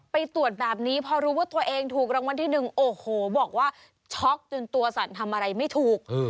ไปตรวจแบบนี้พอรู้ว่าตัวเองถูกรางวัลที่หนึ่งโอ้โหบอกว่าช็อกจนตัวสั่นทำอะไรไม่ถูก